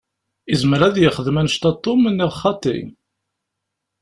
Izmer ad yexdem annect-a Tom, neɣ xaṭi?